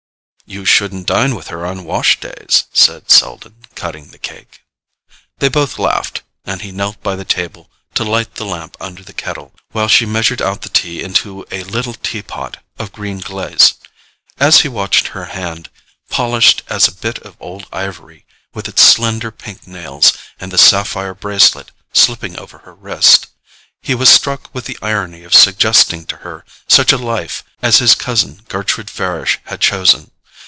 "You shouldn't dine with her on wash days," said Selden, cutting the cake. They both laughed, and he knelt by the table to light the lamp under the kettle, while she measured out the tea into a little tea pot of green glaze. As he watched her hand, polished as a bit of old ivory, with its slender pink nails, and the sapphire bracelet slipping over her wrist, he was struck with the irony of suggesting to her such a life as his cousin Gertrude Farish had chosen.